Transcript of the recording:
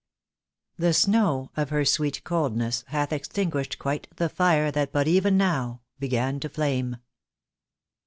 "The snow Of her sweet coldness hath extinguished quite The fire that but even now began to flame."